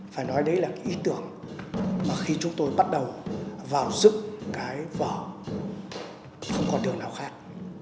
phải nói đấy là cái ý tưởng mà khi chúng tôi bắt đầu vào dựng cái vở không còn đường nào khác